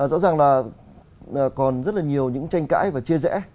rõ ràng là còn rất là nhiều những tranh cãi và chia rẽ